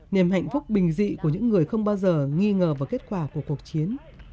niềm hạnh phúc bình dị của những người không bao giờ nghi ngờ vào kết quả của cuộc chiến